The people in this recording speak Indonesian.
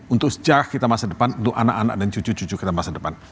untuk sejarah kita masa depan untuk anak anak dan cucu cucu kita masa depan